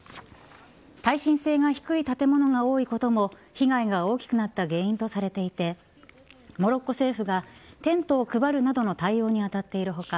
耐震性が低い建物が多いことも被害が大きくなった原因とされていてモロッコ政府がテントを配るなどの対応に当たっている他